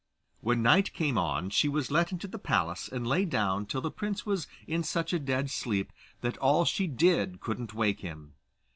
When night came on she was let into the palace and lay down till the prince was in such a dead sleep that all she did couldn't awake him.